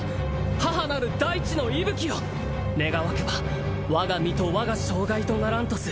母なる大地の息吹よ願わくば我が身と我が障害とならんとす